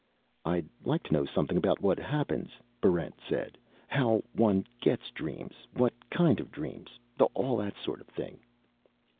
"I'd like to know something about what happens," Barrent said. "How one gets dreams, what kind of dreams, all that sort of thing."